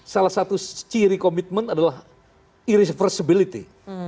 salah satu ciri komitmen adalah irreversibility